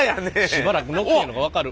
しばらく乗ってへんのが分かる。